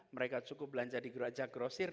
mereka cukup belanja di gereja grosir